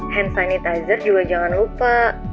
hand sanitizer juga jangan lupa